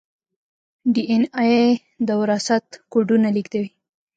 ډي این اې د وراثت کوډونه لیږدوي